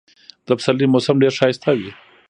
د پسرلي موسم ډېر ښایسته وي.